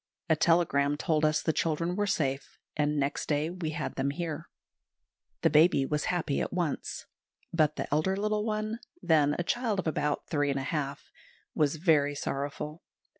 A telegram told us the children were safe, and next day we had them here. The baby was happy at once; but the elder little one, then a child of about three and a half, was very sorrowful.